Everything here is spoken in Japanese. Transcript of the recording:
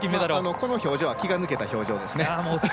この表情は気が抜けた表情ですね。